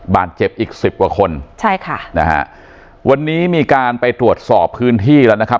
บาดเจ็บอีกสิบกว่าคนใช่ค่ะนะฮะวันนี้มีการไปตรวจสอบพื้นที่แล้วนะครับ